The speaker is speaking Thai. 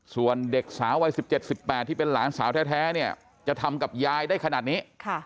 ส่วนเด็กสาววัย๑๗๑๘ที่เป็นหลานสาวแท้เนี่ยจะทำกับยายได้ขนาดนี้